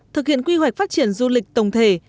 thực hiện quy hoạch phát triển du lịch tổng thể